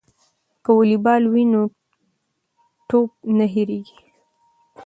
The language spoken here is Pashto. که والیبال وي نو ټوپ نه هیریږي.